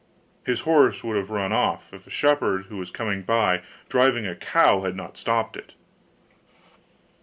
His horse would have ran off, if a shepherd who was coming by, driving a cow, had not stopped it.